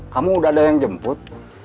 kamu udah ada yang jemput